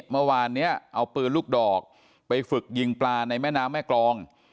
เมื่อวานนี้เอาปืนลูกดอกไปฝึกยิงปลาในแม่น้ำแม่กรอง